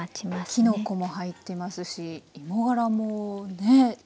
きのこも入ってますし芋がらもね。